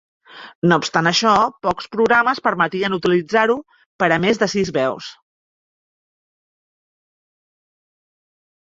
No obstant això, pocs programes permetien utilitzar-ho per a més de si veus.